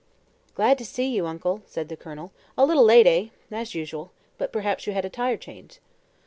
"Glad to see you, Uncle," said the Colonel. "A little late, eh? as usual. But perhaps you had a tire change."